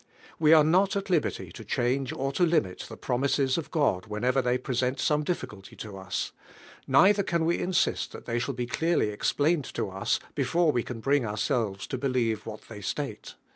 We are not at liberty to change or to limit the promises of God whenever they present some difficulty to SO DIVIDE JIEALIHG. us; neither can we insist that they shall be clearly explained to us before we can bring ourselves to believe what they st&te.